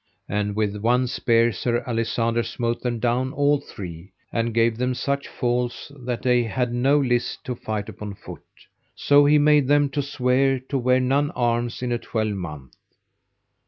And with one spear Sir Alisander smote them down all three, and gave them such falls that they had no list to fight upon foot. So he made them to swear to wear none arms in a twelvemonth.